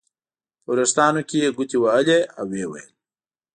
په وریښتانو کې یې ګوتې وهلې او ویې ویل.